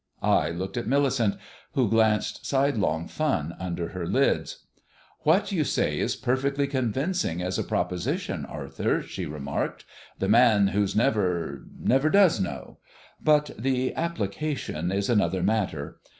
I looked at Millicent, who glanced sidelong fun under her lids. "What you say is perfectly convincing as a proposition, Arthur," she remarked. "The man who's Never never does know; but the application is another matter.